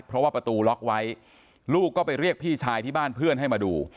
เพราะว่าประตูล็อกไว้ลูกก็ไปเรียกพี่ชายที่บ้านเพื่อนให้มาดู